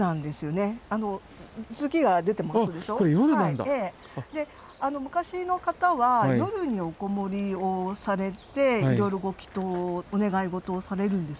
で昔の方は夜におこもりをされていろいろご祈とうお願いごとをされるんです。